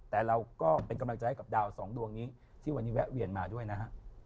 แต่เราก็เป็นกำลังใจให้กับดาวสองดวงนี้ที่วันนี้แวะเวียนมาด้วยนะฮะ